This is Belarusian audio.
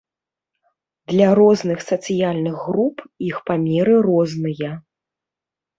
Для розных сацыяльных груп іх памеры розныя.